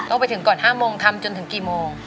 ต้องไปถึงก่อน๕โมงทำจนถึงกี่โมง